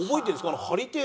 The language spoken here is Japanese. あの張り手。